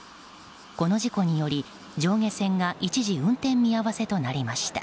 この事故により上下線が一時運転見合わせとなりました。